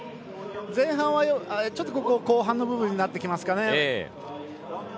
ちょっと、ここは後半の部分になってきますかね。